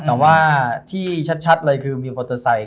แต่ว่าที่ชัดเลยคือมีมอเตอร์ไซค